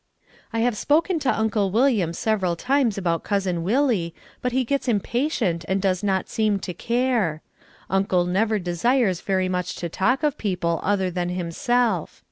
I have spoken to Uncle William several times about Cousin Willie, but he gets impatient and does not seem to care. Uncle never desires very much to talk of people other than himself.